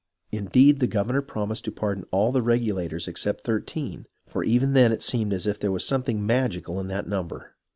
Indeed, the governor promised to pardon all the Regulators except thirteen, for even then it seemed as if there was something magical in that number.